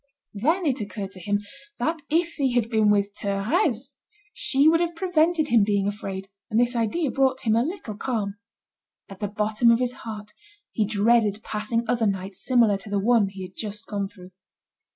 Then it occurred to him that if he had been with Thérèse, she would have prevented him being afraid, and this idea brought him a little calm. At the bottom of his heart he dreaded passing other nights similar to the one he had just gone through.